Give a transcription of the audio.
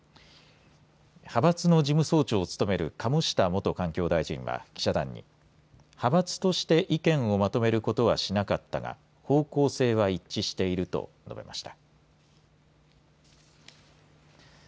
派閥の事務総長を務める鴨下元環境大臣は記者団に、派閥として意見をまとめることはしなかったが、方向性は一致していると述べました。